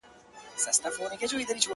ښکلي ې په سر ټول رسولي و